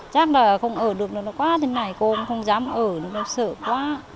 chắc là không ở được nó quá thế này cô cũng không dám ở nó sợ quá